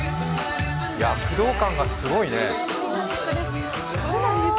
躍動感がすごいね。